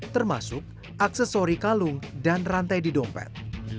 termasuk aksesori kalung dan rantai di dompet